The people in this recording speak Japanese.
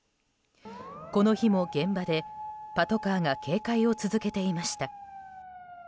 この日も現場でパトカーが警戒を続けていました。